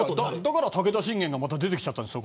だから、武田信玄がまた出てきちゃったんだよ。